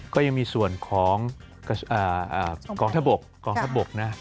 ก็ยังมีส่วนของกองทะบก